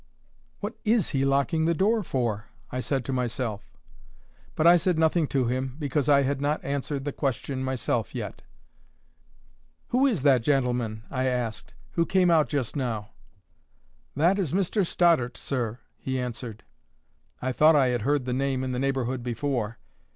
"What IS he locking the door for?" I said to myself. But I said nothing to him, because I had not answered the question myself yet. "Who is that gentleman," I asked, "who came out just now?" "That is Mr Stoddart, sir," he answered. I thought I had heard the name in the neighbourhood before.